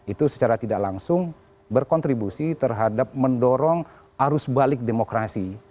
itu secara tidak langsung berkontribusi terhadap mendorong arus balik demokrasi